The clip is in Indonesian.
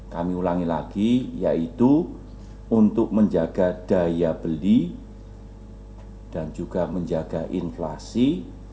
kami ulangi lagi yaitu untuk menjaga daya beli dan juga menjaga inflasi